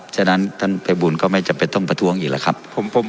ฉะนั้นท่านภัยบูลก็ไม่จำเป็นต้องประท้วงอีกแล้วครับ